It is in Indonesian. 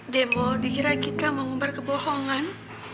rodi kira kita mengubar kebohongan